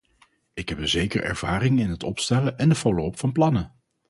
Ik heb een zekere ervaring in het opstellen en de follow-up van plannen.